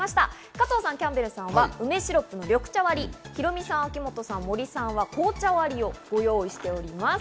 加藤さん、キャンベルさんは梅シロップの緑茶割り、ヒロミさん、秋元さん、森さんは紅茶割りをご用意しています。